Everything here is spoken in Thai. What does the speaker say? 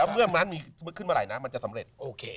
เมื่อมันมีขึ้นเมื่อไหร่นะที่เหรอมันจะสำเร็จ